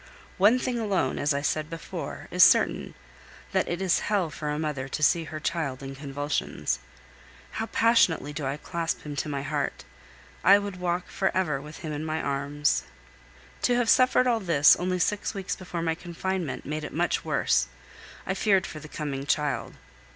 One thing alone, as I said before, is certain, that it is hell for a mother to see her child in convulsions. How passionately do I clasp him to my heart! I could walk for ever with him in my arms! To have suffered all this only six weeks before my confinement made it much worse; I feared for the coming child.